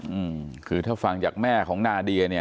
อืมคือถ้าฟังจากแม่ของนาเดียเนี่ย